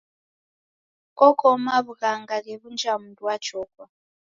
Koko maw'ughanga ghe w'unja mundu wa chokwa.